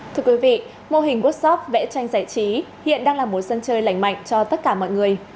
thưa quý vị mô hình workshop vẽ tranh giải trí hiện đang là một sân chơi lành mạnh cho tất cả mọi người